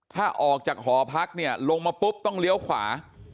ถ้าออกจากหอพักเนี่ยลงมาปุ๊บต้องเลี้ยวขวา